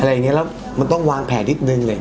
อะไรอย่างนี้แล้วมันต้องวางแผนนิดนึง